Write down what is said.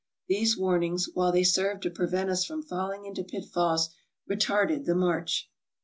'' These warnings, while they served to prevent us from falling into pitfalls, retarded the march.